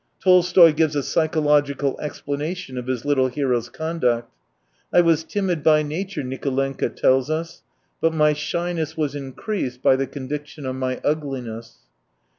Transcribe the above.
Tolstoy gives a psychological explanation of his little hero's conduct. " I was timid by nature," Nicolenka tells us, " but my shyness was increased by the conviction of my ugliness."